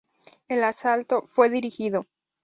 El asalto fue dirigido.